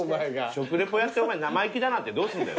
食リポやって生意気だなんてどうすんだよ。